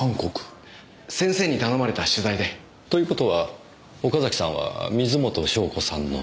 先生に頼まれた取材で。という事は岡崎さんは水元湘子さんの。